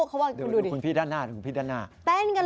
เดี๋ยวคุณพี่ด้านหน้า